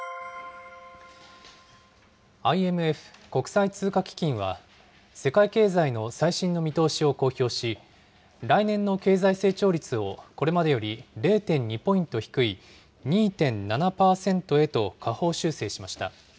ＩＭＦ・国際通貨基金は、世界経済の最新の見通しを公表し、来年の経済成長率を、これまでより０．２ポイント低い、２．７％へと下方修正しました。